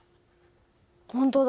本当だ。